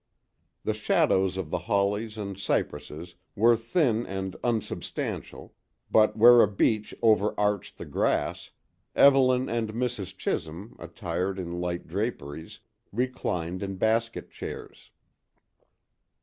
The shadows of the hollies and cypresses were thin and unsubstantial, but where a beach overarched the grass, Evelyn and Mrs. Chisholm, attired in light draperies, reclined in basket chairs.